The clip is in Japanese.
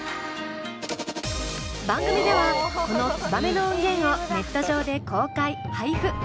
番組ではこの「ツバメ」の音源をネット上で公開・配布。